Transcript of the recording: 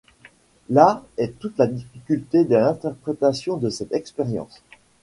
Là est toute la difficulté de l'interprétation de cette expérience.